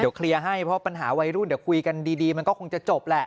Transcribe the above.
เดี๋ยวเคลียร์ให้เพราะปัญหาวัยรุ่นเดี๋ยวคุยกันดีมันก็คงจะจบแหละ